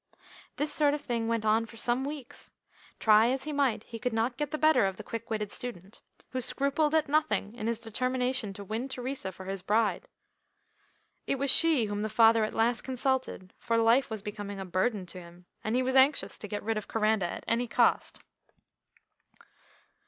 This sort of thing went on for some weeks. Try as he might, he could not get the better of the quick witted student, who scrupled at nothing in his determination to win Theresa for his bride. It was she whom the father at last consulted, for life was becoming a burden to him, and he was anxious to get rid of Coranda at any cost.